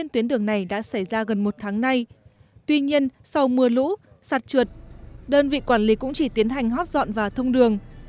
tuy nhiên sau mưa lũ sạt trượt đơn vị quản lý cũng chỉ tiến hành hót dọn và thông đường